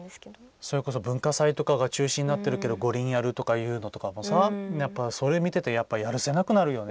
それこそ文化祭とかが中止になってるけど五輪やるっていうのとかさそれを見ていてやるせなくなるよね。